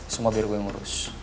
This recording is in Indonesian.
semua biar gue ngurus